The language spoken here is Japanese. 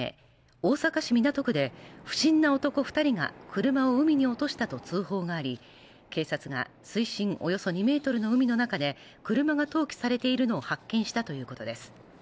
大阪市港区で不審な男二人が車を海に落としたと通報があり警察が水深およそ２メートルの海の中で車が投棄されているのを発見したということです